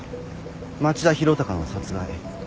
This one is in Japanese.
町田博隆の殺害。